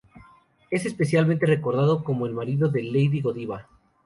Es especialmente recordado como el marido de Lady Godiva.